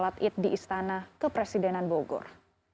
solat idul fitri di istana kepresidenan bogor